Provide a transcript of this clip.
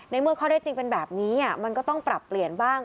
เมื่อข้อได้จริงเป็นแบบนี้มันก็ต้องปรับเปลี่ยนบ้าง